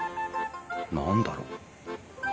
何だろう？